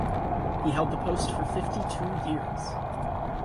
He held the post for fifty-two years.